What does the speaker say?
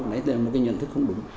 đó là một cái nhận thức không đúng